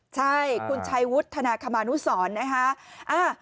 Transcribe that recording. ใช่คุณชัยวุฒนาคมานุสรนะคะ